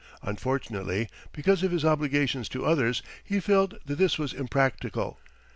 Unfortunately, because of his obligations to others, he felt that this was impractical.